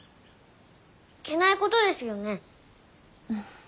いけないことですよね。